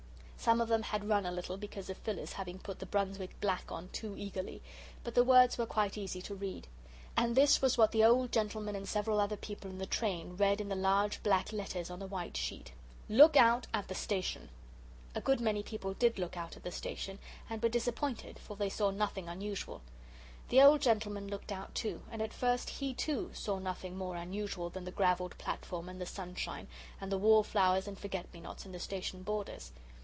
Some of them had run a little, because of Phyllis having put the Brunswick black on too eagerly, but the words were quite easy to read. And this what the old gentleman and several other people in the train read in the large black letters on the white sheet: LOOK OUT AT THE STATION. A good many people did look out at the station and were disappointed, for they saw nothing unusual. The old gentleman looked out, too, and at first he too saw nothing more unusual than the gravelled platform and the sunshine and the wallflowers and forget me nots in the station borders.